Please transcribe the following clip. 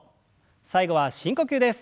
最後は深呼吸です。